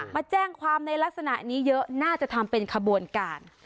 มาแจ้งความในลักษณะนี้เยอะน่าจะทำเป็นขบวนการ